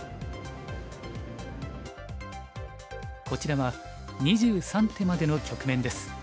こちらは２３手までの局面です。